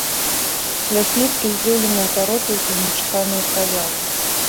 Лясніцкі здзіўлена ўтаропіўся ў нечаканую праяву.